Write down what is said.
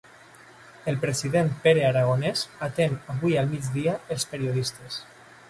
El president Pere Aragonès atén avui al migdia els periodistes